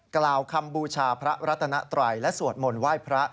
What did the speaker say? กล่าวคำบูชาพระรัตนไตรและสวดมนต์ไหว้พระ